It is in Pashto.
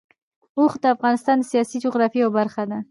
اوښ د افغانستان د سیاسي جغرافیه یوه برخه ده.